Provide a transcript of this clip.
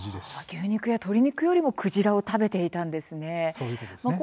牛肉や鶏肉よりもクジラを食べていたんですね。